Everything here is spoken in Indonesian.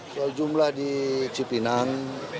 soal jumlah di cipinang